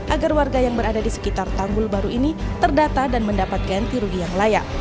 agar warga yang berada di sekitar tanggul baru ini terdata dan mendapat ganti rugi yang layak